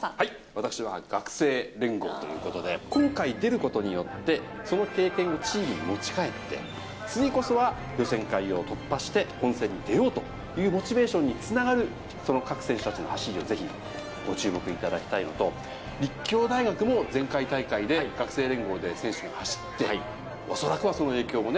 私は学生連合ということで、今回、出ることによって、その経験をチームに持ち帰って、次こそは予選会を突破して本戦に出ようというモチベーションにつながる、その各選手たちの走りをぜひご注目いただきたいのと、立教大学も、前回大会で学生連合で選手も走って、恐らくはその影響もね。